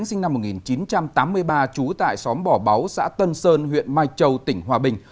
sinh năm một nghìn chín trăm tám mươi ba trú tại xóm bỏ báu xã tân sơn huyện mai châu tỉnh hòa bình